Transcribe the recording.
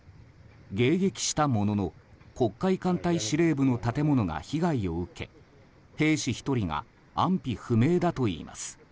迎撃したものの黒海艦隊司令部の建物が被害を受け兵士１人が安否不明だといいます。